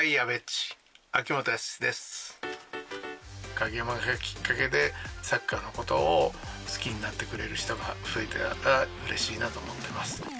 影山がきっかけでサッカーの事を好きになってくれる人が増えたら嬉しいなと思ってます。